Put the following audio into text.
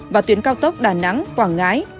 và tuyến cao tốc đà nẵng quảng ngãi